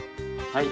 はい。